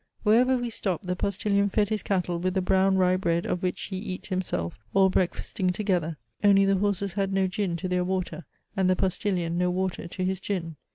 Wherever we stopped, the postilion fed his cattle with the brown rye bread of which he eat himself, all breakfasting together; only the horses had no gin to their water, and the postilion no water to his gin.